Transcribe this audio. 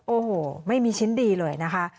โอ้โหไม่มีชิ้นดีเลยนะคะ